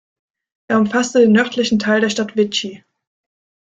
Er umfasste den nördlichen Teil der Stadt Vichy.